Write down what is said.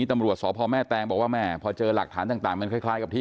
ตอนแรกก็ไม่เชื่อเหมือนกันน่าจะไปไม่ได้